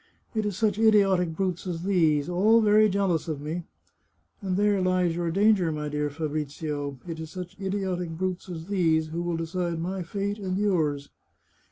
It is such idiotic 297 The Chartreuse of Parma brutes as these — all very jealous of me, and there lies your danger, my dear Fabrizio — it is such idiotic brutes as these who will decide my fate and yours.